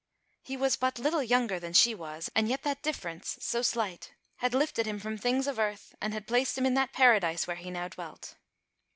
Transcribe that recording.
He was but little younger than she was, and yet that difference, so slight, had lifted him from things of earth and had placed him in that paradise where he now dwelt.